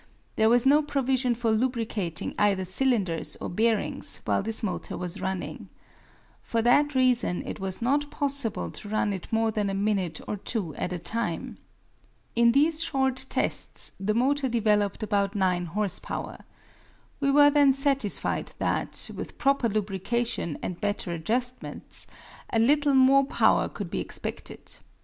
There was no provision for lubricating either cylinders or bearings while this motor was running. For that reason it was not possible to run it more than a minute or two at a time. In these short tests the motor developed about nine horse power. We were then satisfied that, with proper lubrication and better adjustments, a little more power could be expected.